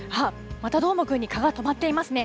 またどーもくんに蚊が止まっていますね。